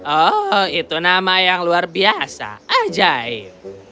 oh itu nama yang luar biasa ajaib